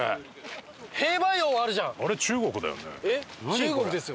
中国ですよ。